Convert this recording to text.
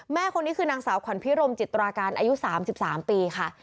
แม่คนนี้คือนางสาวขวัญพิรมจิตราการอายุ๓๓ปีค่ะ